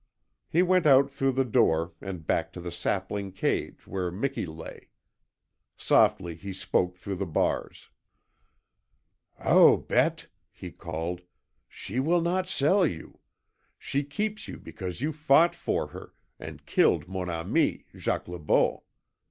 He went out through the door and back to the sapling cage where Miki lay. Softly he spoke through the bars. "OW, BETE" he called; "she will not sell you. She keeps you because you fought for her, and killed MON AMI, Jacques Le Beau.